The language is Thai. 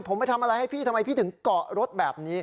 ผมไปทำอะไรให้พี่ทำไมพี่ถึงเกาะรถแบบนี้